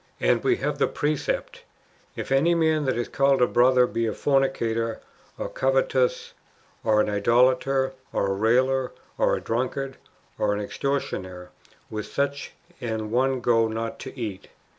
^ And we have the precept :" If any man that is called a brother be a fornicator, or covetous, or an idolater, or a railer, or a drunkard, or an ex tortioner, with such an one no not to eat."